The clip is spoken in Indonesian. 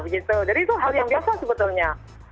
jadi itu hal yang biasa sebetulnya